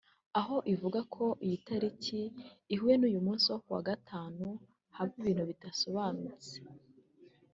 aho ivuga ko iyo iyi tariki ihuye n’uyu munsi wo kuwa gatanu haba ibintu bibi bidasobanutse